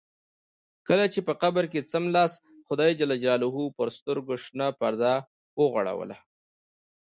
کله چې په قبر کې څملاست خدای جل جلاله پر سترګو شنه پرده وغوړوله.